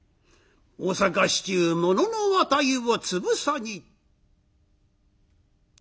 大坂市中物の値をつぶさに。って